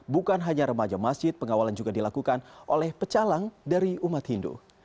bukan hanya remaja masjid pengawalan juga dilakukan oleh pecalang dari umat hindu